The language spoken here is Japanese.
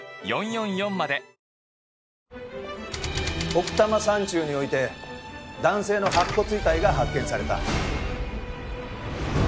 奥多摩山中において男性の白骨遺体が発見された。